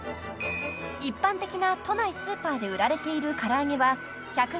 ［一般的な都内スーパーで売られている唐揚げは１００ｇ